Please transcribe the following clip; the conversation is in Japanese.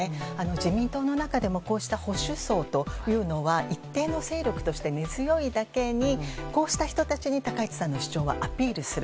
自民党の中でもこうした保守層というのは一定の勢力として根強いだけに、こうした人たちに高市さんの主張はアピールする。